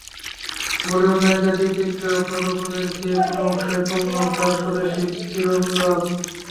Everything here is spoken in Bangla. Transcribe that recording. বলিউড নায়িকা দীপিকা পাড়ুকোনের চেয়ে কোনো অংশেই কম নন তাঁর স্বদেশি তিরন্দাজ।